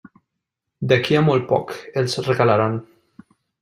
D'aquí a molt poc els regalaran.